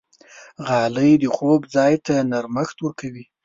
غالۍ د خوب ځای ته نرمښت ورکوي.